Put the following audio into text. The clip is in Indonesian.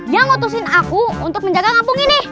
yang ngutusin aku untuk menjaga kampung ini